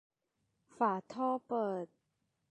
ฝาท่อเปิด